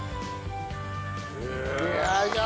よいしょ！